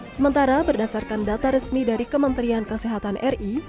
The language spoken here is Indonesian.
sementara berdasarkan data resmi dari kementerian kesehatan ri